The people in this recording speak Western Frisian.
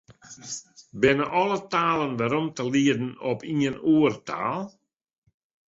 Binne alle talen werom te lieden op ien oertaal?